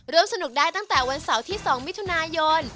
ร่วมสนุกได้ตั้งแต่วันเสาร์ที่๒มิถุนายน